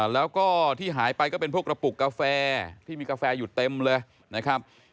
แล้วก็ที่หายไปก็เป็นพวกกระปุกกาแฟที่มีกาแฟอยู่เต็มเลยนะครับ